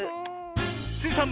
スイさん